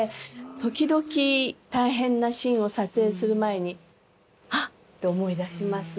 時々大変なシーンを撮影する前にハッて思い出します。